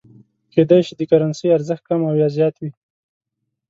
کېدای شي د کرنسۍ ارزښت کم او یا زیات وي.